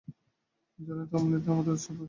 জানই তো অমনিতেই আমার উৎসাহের কিছু কমতি নেই।